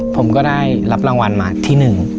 ผมก็ได้รับรางวัลมาที่หนึ่ง